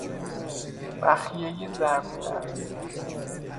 بخیهی ضربدر